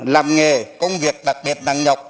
làm nghề công việc đặc biệt nặng nhọc